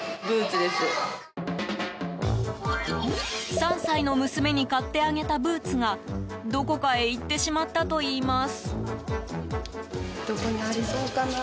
３歳の娘に買ってあげたブーツがどこかへいってしまったといいます。